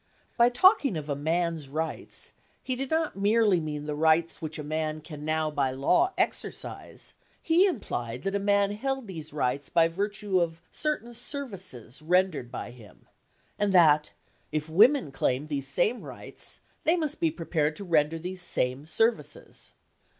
By talking of "a man's rights" he did not merely mean the rights which a man can now by law exercise; he implied that a man held these rights by virtue of certain services rendered by him, and that, if women claimed these same rights, they must be prepared to render these same services.